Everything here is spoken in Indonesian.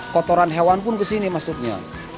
kotoran hewan pun kesini maksudnya